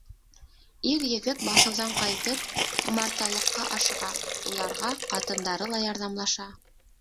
Ир-егет баҫыуҙан ҡайтып, умарталыҡҡа ашыға, уларға ҡатындары ла ярҙамлаша.